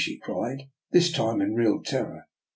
" she cried, this time in real terror.